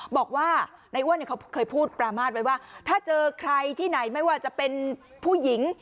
บอกว่านายอ้วนเขาเคยพูดประมาทไว้ว่าถ้าเจอใครที่ไหนไม่ว่าจะเป็นผู้หญิง